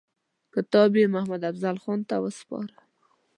کتاب یې محمدافضل ته وسپاره.